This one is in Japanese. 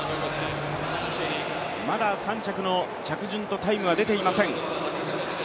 まだ３着の着順とタイムは出ていません。